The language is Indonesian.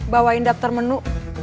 bawain daftar menu